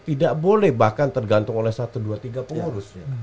tidak boleh bahkan tergantung oleh satu dua tiga pengurus